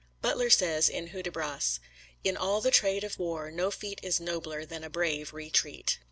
Butler says in Hudibras: "In all the trade of war, no feat Is nobler than a brave retreat."